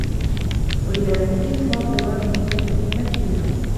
وَإِذَا لَمْ يُرِدْ اللَّهُ دَوَامَ مُلْكٌ فَفِيمَ الْحِيلَةُ